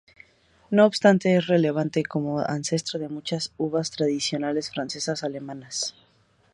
No obstante, es relevante como ancestro de muchas uvas tradicionales francesas y alemanas.